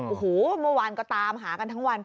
โอ้โหเมื่อวานก็ตามหากันทั้งวัน